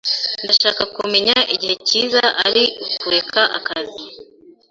Ndashaka kumenya igihe cyiza ari ukureka akazi.